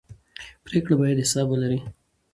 پرېکړې باید حساب ولري